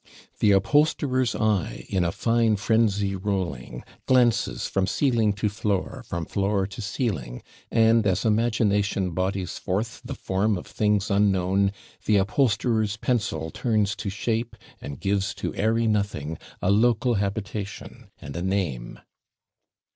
The upholsterer's eye, in a fine frenzy rolling, Glances from ceiling to floor, from floor to ceiling; And, as imagination bodies forth The form of things unknown, th' upholsterer's pencil Turns to shape and gives to airy nothing A local habitation and a NAME.